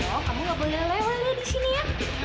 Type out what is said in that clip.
vino kamu gak boleh lewat lewat di sini ya